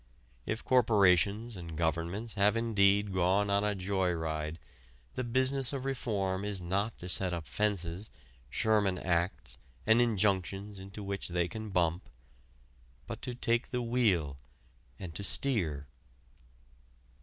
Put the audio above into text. If corporations and governments have indeed gone on a joy ride the business of reform is not to set up fences, Sherman Acts and injunctions into which they can bump, but to take the wheel and to steer.